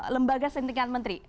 lembaga sentikan menteri